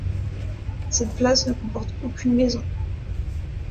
Cette place ne comporte aucune maison.